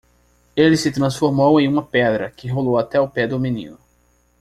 Ele se transformou em uma pedra que rolou até o pé do mineiro.